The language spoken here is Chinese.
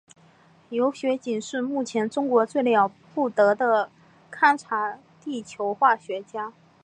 谢学锦是目前中国最了不得的勘察地球化学家。